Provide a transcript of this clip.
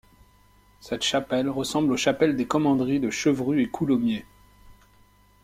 Cette chapelle ressemble aux chapelles des commanderies de Chevru et Coulommiers.